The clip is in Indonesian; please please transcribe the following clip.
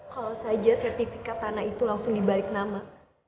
kalau saja sertifikat tanah itu langsung dibalik nama